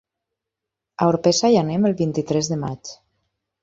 A Orpesa hi anem el vint-i-tres de maig.